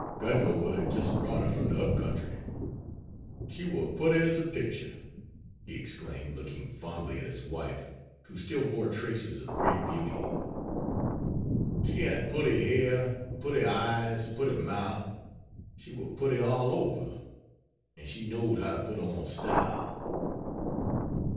Gundover had jis' brought her from de up country. She war putty as a picture!" he exclaimed, looking fondly at his wife, who still bore traces of great beauty. "She had putty hair, putty eyes, putty mouth. She war putty all over; an' she know'd how to put on style."